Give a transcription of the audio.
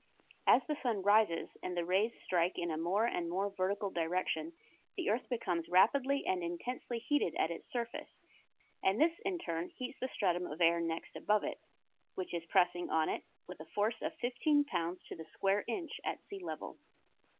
As the sun rises and the rays strike in a more and more vertical direction the earth becomes rapidly and intensely heated at its surface, and this in turn heats the stratum of air next above it, which is pressing on it with a force of fifteen pounds to the square inch at sea level.